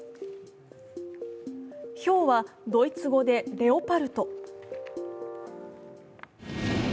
ひょうはドイツ語でレオパルト。